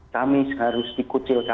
kami seharus dikucil